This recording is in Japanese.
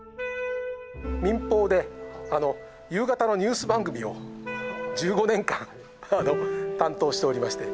民放で夕方のニュース番組を１５年間担当しておりまして。